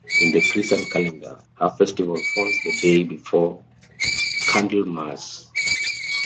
In the Christian calendar, her festival falls the day before Candlemas.